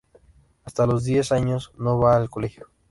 Hasta los diez años no va al colegio.